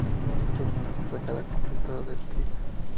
Fue una destacada compositora y letrista.